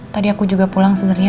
tadi aku juga pulang sebenarnya